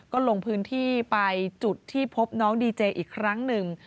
ก็ลงพื้นที่ไปจุดที่พบน้องดีเจอีกครั้งหนึ่ง